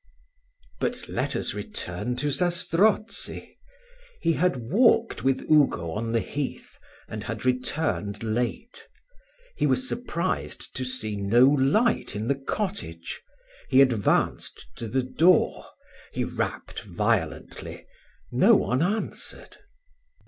But let us return to Zastrozzi. He had walked with Ugo on the heath, and had returned late. He was surprised to see no light in the cottage. He advanced to the door he rapped violently no one answered.